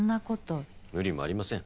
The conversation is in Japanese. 無理もありません。